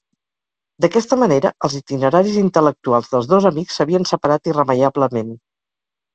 D'aquesta manera els itineraris intel·lectuals dels dos amics s'havien separat irremeiablement.